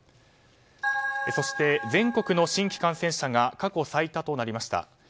そして、全国の新規感染者が過去最多となりました。